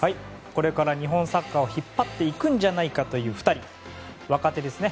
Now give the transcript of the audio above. これから日本サッカーを引っ張っていくんじゃないかという２人若手ですね。